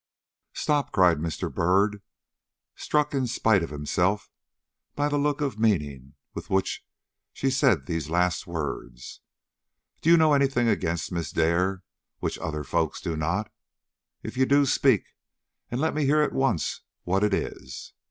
"Stop!" cried Mr. Byrd, struck in spite of himself by the look of meaning with which she said these last words. "Do you know any thing against Miss Dare which other folks do not? If you do, speak, and let me hear at once what it is.